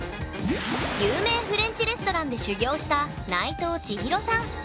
有名フレンチレストランで修業した内藤千博さん